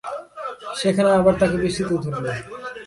সেখানে আবার তাঁকে বৃষ্টিতে ধরল।